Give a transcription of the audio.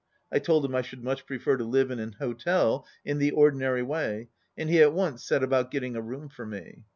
I told him I should much prefer to live in an hotel in the ordinary way, and he at once set about getting a room for me.